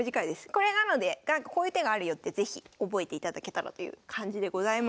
これなのでこういう手があるよって是非覚えていただけたらという感じでございます。